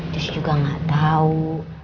just juga gak tau